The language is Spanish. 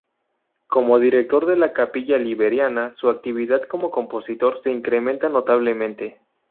Como director de la Capilla Liberiana su actividad como compositor se incrementa notablemente.